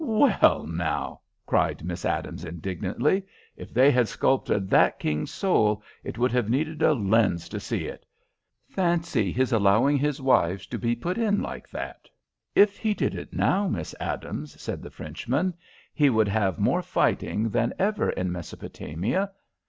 "Well, now!" cried Miss Adams, indignantly. "If they had sculped that King's soul it would have needed a lens to see it. Fancy his allowing his wives to be put in like that." "If he did it now, Miss Adams," said the Frenchman, "he would have more fighting than ever in Mesopotamia.